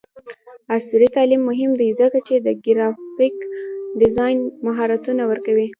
عصري تعلیم مهم دی ځکه چې د ګرافیک ډیزاین مهارتونه ورکوي.